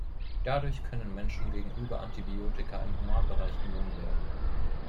Dadurch können Menschen gegenüber Antibiotika im Humanbereich immun werden.